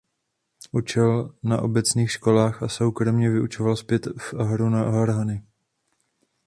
Učil na obecných školách a soukromě vyučoval zpěv a hru na varhany.